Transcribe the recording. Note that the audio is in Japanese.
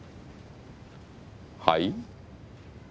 はい？